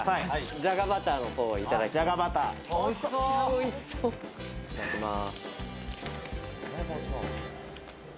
じゃがバターのほう、いただきます。